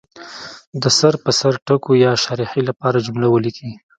د سر په سر ټکو یا شارحې لپاره جمله ولیکي.